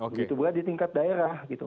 begitu juga di tingkat daerah gitu